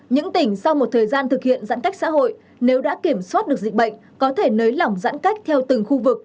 những tỉnh sau một thời gian thực hiện giãn cách xã hội nếu đã kiểm soát được dịch bệnh có thể nới lỏng giãn cách theo từng khu vực